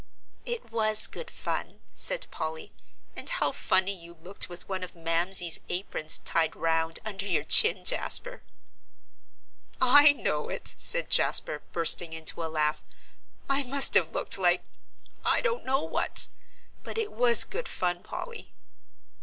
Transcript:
"It was good fun," said Polly; "and how funny you looked with one of Mamsie's aprons tied round under your chin, Jasper." "I know it," said Jasper, bursting into a laugh. "I must have looked like I don't know what. But it was good fun, Polly."